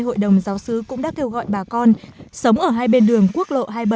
hội đồng giáo sứ cũng đã kêu gọi bà con sống ở hai bên đường quốc lộ hai mươi bảy